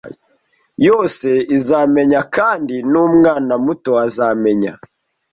yose izamenya kandi n’umwana muto azamenya